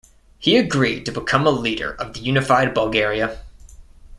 He agreed to become a leader of the Unified Bulgaria.